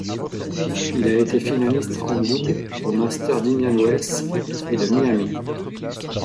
Il a été finaliste en double aux Masters d'Indian Wells et de Miami.